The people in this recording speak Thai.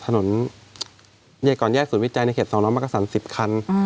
ถนนใหญ่ก่อนแยกศูนย์วิจัยในเขต๒๐๐มักกษัน๑๐คัน